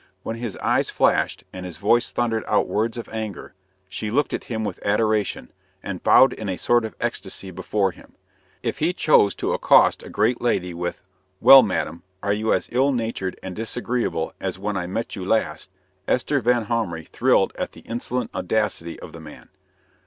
When his eyes flashed, and his voice thundered out words of anger, she looked at him with adoration, and bowed in a sort of ecstasy before him. If he chose to accost a great lady with "Well, madam, are you as ill natured and disagreeable as when I met you last?" Esther Vanhomrigh thrilled at the insolent audacity of the man.